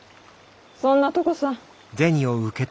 そんなとこさ。